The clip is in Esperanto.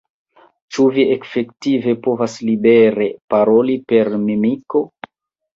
Ĉu vi efektive povas libere paroli per mimiko?